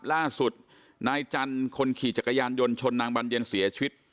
ล่าสุดนายจันทร์คนขี่จักรยานยนต์ชนนางบรรเย็นเสียชีวิต